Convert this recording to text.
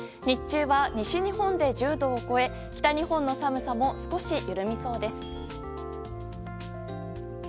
日中は西日本で１０度を超え北日本の寒さも少し緩みそうです。